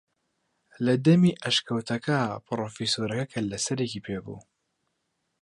لە دەمی ئەشکەوتەکە پرۆفیسۆرەکە کەللەسەرێکی پێ بوو